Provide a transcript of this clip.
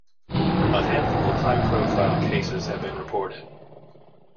A handful of high profile cases have been reported.